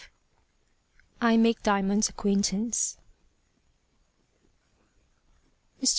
I MAKE DIAMOND'S ACQUAINTANCE MR.